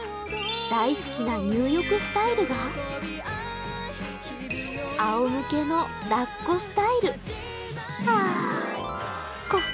大好きな入浴スタイルがあおむけのラッコスタイル。